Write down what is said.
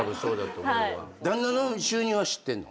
旦那の収入は知ってんの？